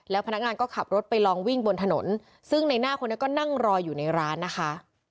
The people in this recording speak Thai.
พนักงานก็ขับรถไปลองวิ่งบนถนนซึ่งในหน้าคนนี้ก็นั่งรออยู่ในร้านนะคะ